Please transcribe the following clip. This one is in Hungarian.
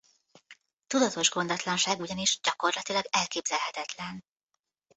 Tudatos gondatlanság ugyanis gyakorlatilag elképzelhetetlen.